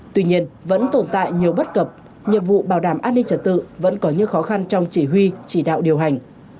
tuy nhiên vẫn tồn tại nhiều bất cập nhiệm vụ bảo đảm an ninh trật tự vẫn có những khó khăn trong chỉ huy chỉ đạo điều hành